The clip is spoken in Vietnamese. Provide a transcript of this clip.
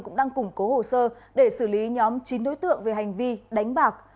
cũng đang củng cố hồ sơ để xử lý nhóm chín nối tượng về hành vi đánh bạc